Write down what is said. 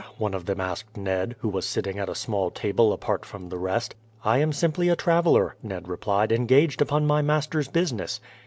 one of them asked Ned, who was sitting at a small table apart from the rest. "I am simply a traveller," Ned replied, "engaged upon my master's business."